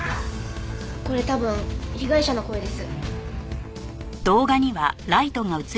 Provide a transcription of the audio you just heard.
これ多分被害者の声です。